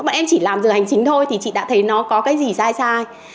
bọn em chỉ làm giờ hành chính thôi thì chị đã thấy nó có cái gì sai sai